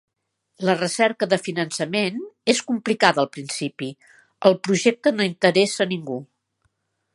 La recerca de finançament és complicada al principi, el projecte no interessa ningú.